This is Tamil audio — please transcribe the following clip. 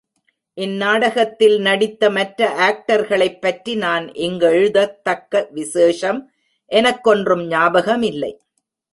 இந் நாடகத்தில் நடித்த மற்ற ஆக்டர்களைப்பற்றி நான் இங்கெழுதத்தக்க விசேஷம் எனக்கொன்றும் ஞாபகமில்லை.